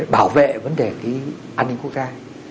bảo vệ vấn đề cái an ninh quốc gia